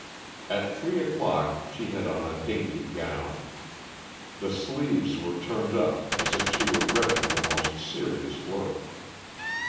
At three o'clock she had on a dainty gown. The sleeves were turned up, as if she were ready for the most serious work.